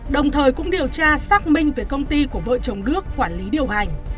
đồng thời cũng điều tra xác minh về công ty của vợ chồng đức quản lý điều hành